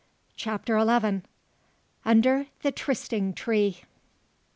CHAPTER ELEVEN. UNDER THE TRYSTING TREE.